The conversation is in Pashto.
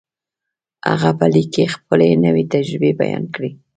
هغه په ليک کې خپلې نوې تجربې بيان کړې.